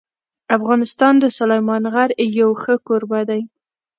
افغانستان د سلیمان غر یو ښه کوربه دی.